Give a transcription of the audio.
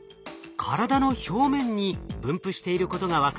体の表面に分布していることが分かります。